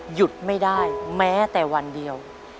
หยุดไม่ได้แม้แต่วันเดียว